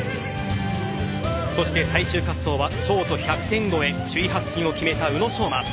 そして最終滑走はショート１００点超え首位発進を決めた宇野昌磨。